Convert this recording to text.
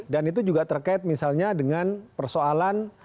dan itu juga terkait misalnya dengan persoalan